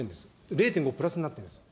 ０．５プラスになってるんですよ。